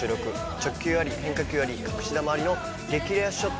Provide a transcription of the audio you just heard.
直球あり変化球あり隠し球ありの激レアショット